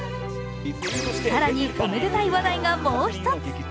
更におめでたい話題がもう一つ。